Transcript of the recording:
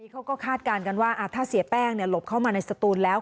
เขาก็คาดการณ์กันว่าถ้าเสียแป้งหลบเข้ามาในสตูนแล้ว